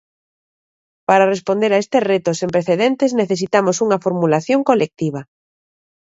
Para responder a estes retos sen precedentes necesitamos unha formulación colectiva.